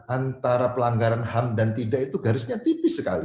antara pelanggaran ham dan tidak itu garisnya tipis sekali